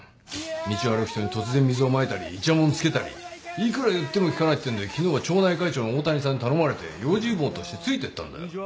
道を歩く人に突然水をまいたりいちゃもんをつけたりいくら言っても聞かないってんで昨日は町内会長の大谷さんに頼まれて用心棒としてついていったんだよ。